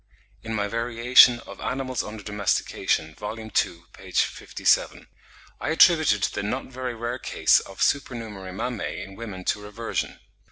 In my 'Variation of Animals under Domestication' (vol. ii. p. 57), I attributed the not very rare cases of supernumerary mammae in women to reversion.